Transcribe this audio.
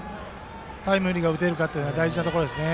タイムリーが打てるかは大事なところですね。